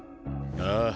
ああ。